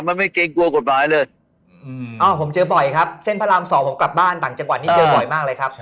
มันไม่เกรงกลัวกฎหมายเลยผมเจอบ่อยครับเส้นพระราม๒ผมกลับบ้านต่างจังหวัดนี่เจอบ่อยมากเลยครับ